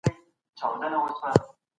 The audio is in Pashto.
ویزې د سفر قانوني لاري دي.